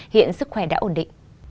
hiện sức khỏe đã ổn định